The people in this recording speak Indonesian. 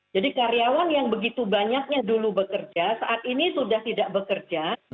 jadi karyawan yang begitu banyak yang dulu bekerja saat ini sudah tidak bekerja